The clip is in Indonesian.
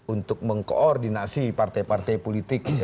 untuk mengkoordinasi partai partai politik